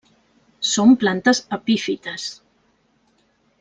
Són plantes epífites.